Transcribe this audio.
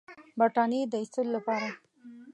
برټانیې د ایستلو لپاره.